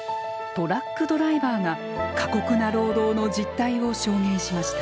トラックドライバーが過酷な労働の実態を証明しました。